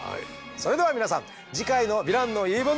それでは皆さん次回の「ヴィランの言い分」